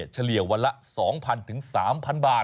เฉลี่ยวันละ๒๐๐๐๓๐๐บาท